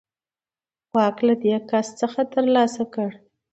واک له دې کس څخه ترلاسه کړ.